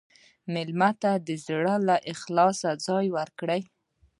مېلمه ته د زړه له اخلاصه ځای ورکړه.